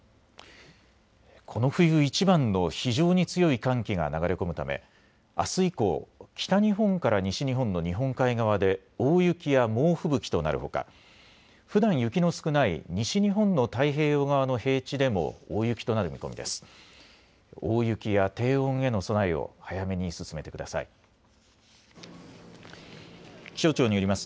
この冬いちばんの非常に強い寒気が流れ込むためあす以降、北日本から西日本の日本海側で大雪や猛吹雪となるほか、ふだん雪の少ない西日本の太平洋側の平地でも大雪となる見込みです。